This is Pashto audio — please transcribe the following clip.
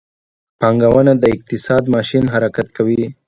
پانګونه د اقتصاد ماشین حرکت کوي.